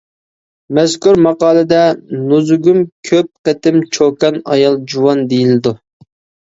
مەزكۇر ماقالىدە نۇزۇگۇم كۆپ قېتىم «چوكان، ئايال، جۇۋان» دېيىلىدۇ.